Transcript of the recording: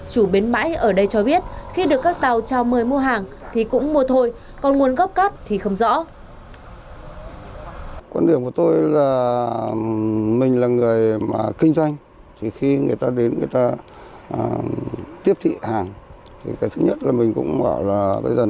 chủ bến mãi ở đây cho biết khi được các tàu trao mời mua hàng thì cũng mua thôi